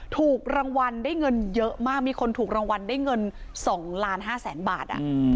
ถูกรางวัลได้เงินเยอะมากมีคนถูกรางวัลได้เงิน๒ล้าน๕แสนบาท